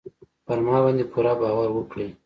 پر ما باندې پوره باور وکړئ.